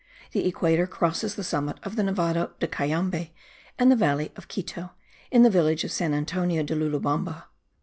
The equator crosses the summit of the Nevado de Cayambe and the valley of Quito, in the village of San Antonio de Lulumbamba.